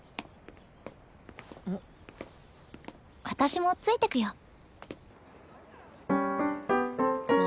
私もついてくよ。